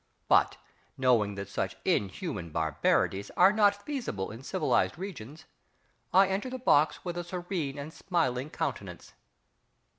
But, knowing that such inhuman barbarities are not feasible in civilised regions, I enter the box with a serene and smiling countenance....